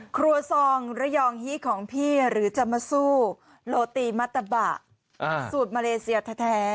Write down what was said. ครัวซองระยองฮีของพี่หรือจะมาซู่โลตีมัตตะบะสูตรมาเลเซียแท้